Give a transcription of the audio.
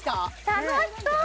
楽しそう！